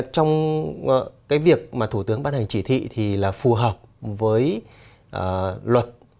trong cái việc mà thủ tướng ban hành chỉ thị thì là phù hợp với luật